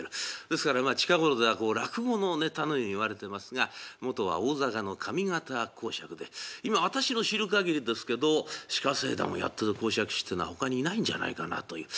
ですからまあ近頃ではこう落語のネタのように言われてますが元は大阪の上方講釈で今私の知る限りですけど「鹿政談」をやってる講釈師ってのはほかにいないんじゃないかなという。